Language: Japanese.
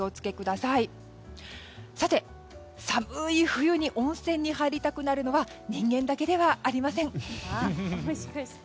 さて寒い冬に温泉に入りたくなるのは人間だけではありません。